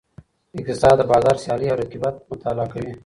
اقتصاد د بازار سیالۍ او رقیبت مطالعه کوي.